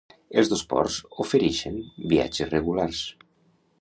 Els dos ports oferixen viatges regulars.